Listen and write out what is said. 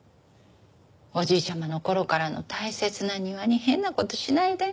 おじいちゃまの頃からの大切な庭に変な事しないで。